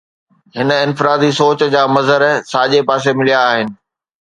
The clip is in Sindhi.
هن افراتفري سوچ جا مظهر ساڄي پاسي مليا آهن